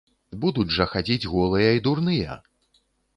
Будуць жа хадзіць голыя і дурныя!